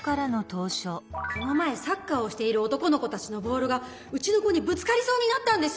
この前サッカーをしている男の子たちのボールがうちの子にぶつかりそうになったんです！